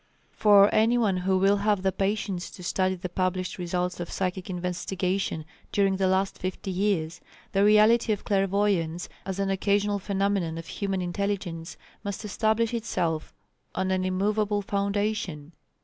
For anyone who will have the patience to study the published results of psychic investigation during the last fifty years, the reality of clairvoyance as an occasional phenomenon of human intelligence must establish itself on an immovable foundation.